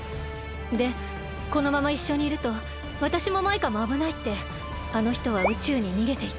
でこのままいっしょにいるとわたしもマイカもあぶないってあのひとは宇宙ににげていった。